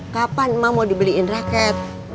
kapan emak mau dibeliin raket